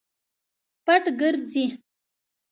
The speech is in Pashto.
پټ ګرځي.